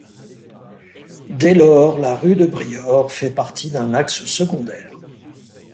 Dès lors, la rue de Briord fait partie d'un axe secondaire.